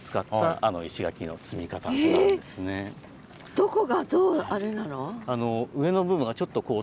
どこがどうあれなの？